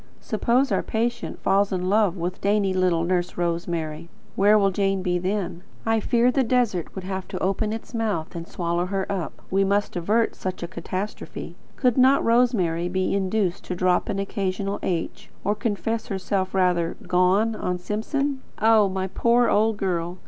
Suppose our patient falls in love with dainty little Nurse Rosemary, where will Jane be then? I fear the desert would have to open its mouth and swallow her up. We must avert such a catastrophe. Could not Rosemary be induced to drop an occasional H, or to confess herself as rather "gone" on Simpson? Oh, my poor old girl!